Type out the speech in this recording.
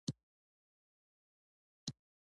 امریه ئ د جمع مثبت يا منفي امر په پای کې کارول کیږي.